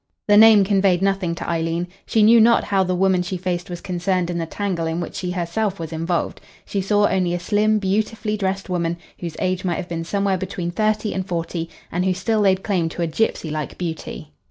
The name conveyed nothing to Eileen. She knew not how the woman she faced was concerned in the tangle in which she herself was involved. She saw only a slim, beautifully dressed woman, whose age might have been somewhere between thirty and forty, and who still laid claim to a gipsy like beauty.